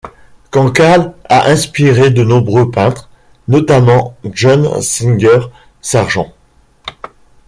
Cancale a inspiré de nombreux peintres, notamment John Singer Sargent.